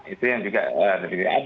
itu yang juga ada di sini